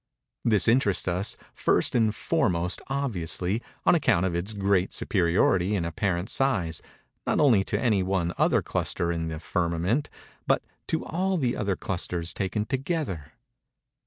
This interests us, first and most obviously, on account of its great superiority in apparent size, not only to any one other cluster in the firmament, but to all the other clusters taken together.